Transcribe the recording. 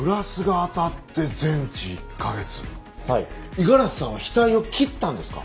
五十嵐さんは額を切ったんですか？